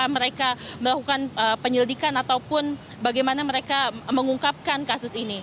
mereka melakukan penyelidikan ataupun bagaimana mereka mengungkapkan kasus ini